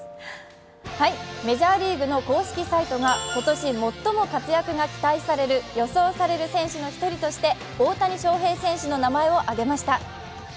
メジャーリーグの公式サイトが今年最も活躍が期待される予想される選手の１人として大谷翔平選手の名前を挙げました。